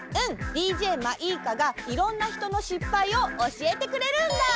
ＤＪまいーかがいろんなひとのしっぱいをおしえてくれるんだ！